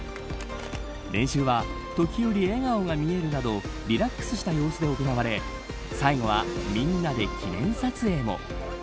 練習は時折、笑顔が見えるなどリラックスした様子で行われ最後はみんなで記念撮影も。